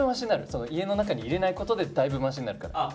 家の中に入れないことでだいぶマシになるから。